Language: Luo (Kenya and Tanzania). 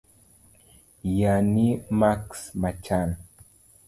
yani maks machal